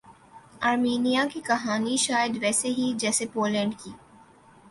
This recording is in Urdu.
آرمینیا کی کہانی شاید ویسےہی ہے جیسے پولینڈ کی